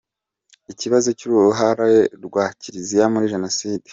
Ikibazo cy’uruhare rwa Kiliziya muri jenoside